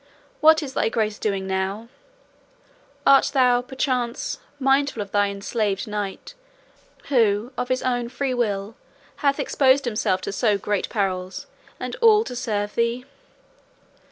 What is thy grace doing now? Art thou, perchance, mindful of thy enslaved knight who of his own free will hath exposed himself to so great perils, and all to serve thee?